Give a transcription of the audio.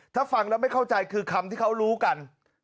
ถ้าฟังแล้วไม่เข้าใจคือคำที่เขารู้กัน